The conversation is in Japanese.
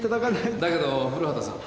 だけど古畑さん。